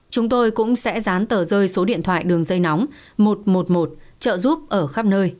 chúng tôi cũng sẽ dán tờ rơi số điện thoại đường dây nóng một trăm một mươi một trợ giúp ở khắp nơi